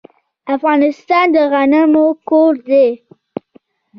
افغانستان د غنمو کور دی.